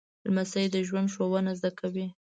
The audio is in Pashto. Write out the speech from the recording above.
لمسی د ژوند ښوونه زده کوي.